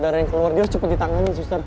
darah yang keluar dia cepet ditangani suster